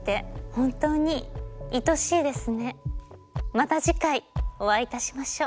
また次回お会いいたしましょう。